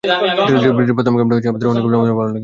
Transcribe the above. ট্রিলজির প্রথম গেমটা তোমাদের অনেকের মতো আমারও ভালো লাগেনি।